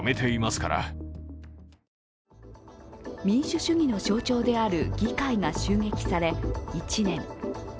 民主主義の象徴である議会が襲撃され１年。